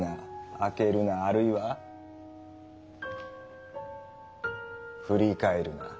「開けるな」あるいは「振り返るな」。